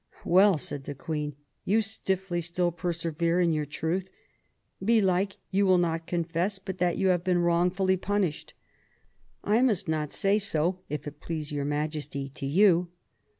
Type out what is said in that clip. " Well," said the Queen, you stiffly still persevere in your truth. Belike you will not confess but that you have been wrongfully punished." " I must not say so, if it please your Majesty, to you."